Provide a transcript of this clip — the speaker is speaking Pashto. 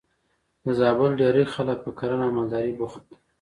د زابل ډېری خلک په کرنه او مالدارۍ بوخت دي.